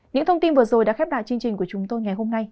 những thông tin vừa rồi đã khép lại chương trình của chúng tôi ngày hôm nay